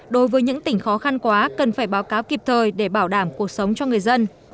đối với những tỉnh khó khăn quá cần phải báo cáo kịp thời để bảo đảm cuộc sống cho người dân